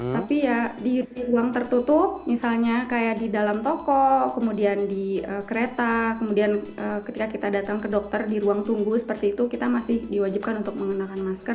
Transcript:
tapi ya di ruang tertutup misalnya kayak di dalam toko kemudian di kereta kemudian ketika kita datang ke dokter di ruang tunggu seperti itu kita masih diwajibkan untuk mengenakan masker